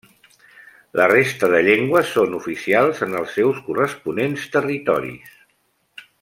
La resta de llengües són oficials en els seus corresponents territoris.